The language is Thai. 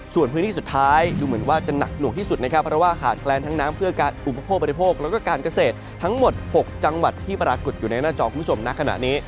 ส่วนพื้นที่สุดท้ายดูเหมือนว่าจะหนักหน่วงที่สุดนะครับเพราะว่าขาดแคลนทั้งน้ำเพื่อการอุปโภคบริโภคแล้วก็การเกษตรทั้งหมด๖จังหวัดที่ปรากฏอยู่ในหน้าจอคุณผู้ชมนะขณะนี้